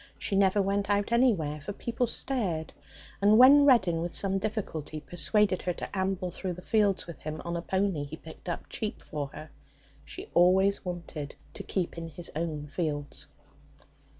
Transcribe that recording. She never went out anywhere, for people stared, and when Reddin, with some difficulty, persuaded her to amble round the fields with him on a pony he picked up cheap for her, she always wanted to keep in his own fields.